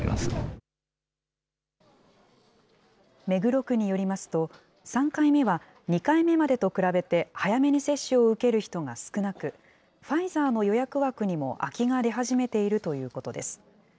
目黒区によりますと、３回目は２回目までと比べて早めに接種を受ける人が少なく、ファイザーの予約枠にも空きが出始めているということです。